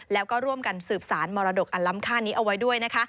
แล้วก็ร่วมกันสืบสารมรดกอันล้ำค่านี้เอาไว้ด้วยนะคะ